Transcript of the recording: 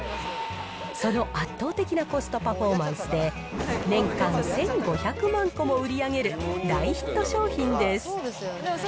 その圧倒的なコストパフォーマンスで、年間１５００万個も売り上げる大ヒット商品です。